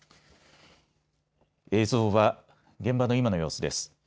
映像は現場の今の様子です。